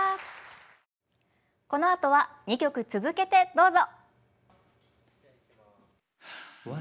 このあとは２曲続けてどうぞ。